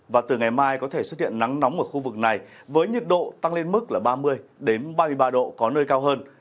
và từ ngày mai có thể xuất hiện nắng nóng ở khu vực này với nhiệt độ tăng lên mức là ba mươi ba mươi ba độ có nơi cao hơn